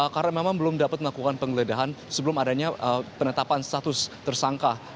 karena memang belum dapat melakukan pengledahan sebelum adanya penetapan status tersangka